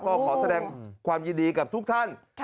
ก็ขอแสดงความยินดีกับทุกท่าน